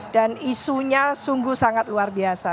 dan isunya sungguh sangat luar biasa